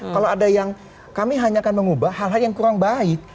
kalau ada yang kami hanya akan mengubah hal hal yang kurang baik